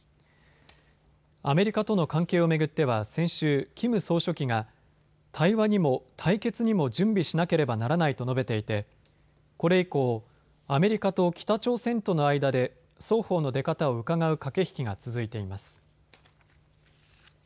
アメリカとの関係を巡っては先週、キム総書記が対話にも対決にも準備しなければならないと述べていてこれ以降、アメリカと北朝鮮との間で双方の出方をうかがう駆け引きが続いています。